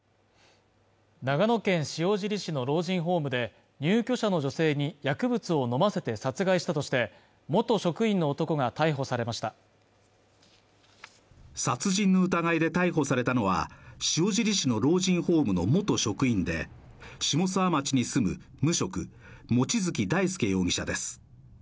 長野県塩尻市の老人ホームで入居者の女性に薬物を飲ませて殺害したとして元職員の男が逮捕されました殺人の疑いで逮捕されたのは塩尻市の老人ホームの元職員で下諏訪町に住む無職望月大輔容疑者です